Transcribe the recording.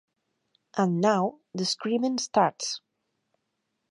And Now the Screaming Starts!